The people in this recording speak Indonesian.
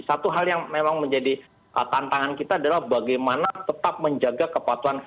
satu hal yang memang menjadi tantangan kita adalah bagaimana tetap menjaga kepatuhan